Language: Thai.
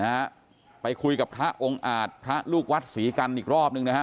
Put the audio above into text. นะฮะไปคุยกับพระองค์อาจพระลูกวัดศรีกันอีกรอบหนึ่งนะฮะ